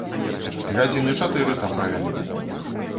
Гадзіны чатыры там правялі.